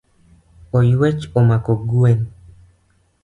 Oyuech omako gwen.